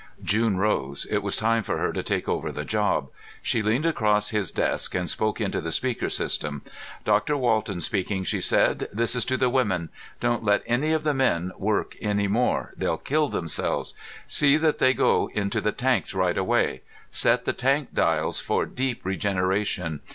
June rose. It was time for her to take over the job. She leaned across his desk and spoke into the speaker system. "Doctor Walton talking," she said. "This is to the women. Don't let any of the men work any more; they'll kill themselves. See that they all go into the tanks right away. Set the tank dials for deep regeneration.